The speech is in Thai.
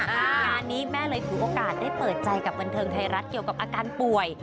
งานนี้แม่เลยถือโอกาสได้เปิดใจกับบันเทิงไทยรัฐเกี่ยวกับอาการป่วย